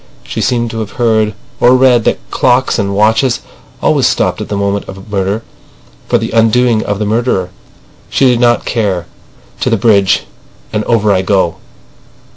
She seemed to have heard or read that clocks and watches always stopped at the moment of murder for the undoing of the murderer. She did not care. "To the bridge—and over I go."